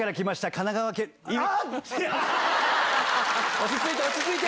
落ち着いて落ち着いて！